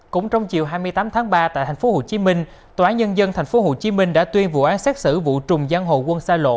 cũng trong chiều hai mươi tám tháng ba tại tp hcm tòa án nhân dân tp hcm đã tuyên vụ án xét xử vụ trùng giang hồ quân xa lộ